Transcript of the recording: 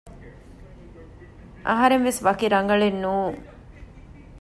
އަހަރެންވެސް ވަކި ރަނގަޅެއް ނޫން